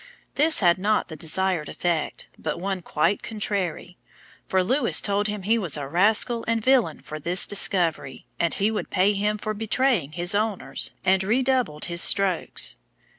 This had not the desired effect, but one quite contrary; for Lewis told him he was a rascal and villain for this discovery, and he would pay him for betraying his owners, and redoubled his strokes.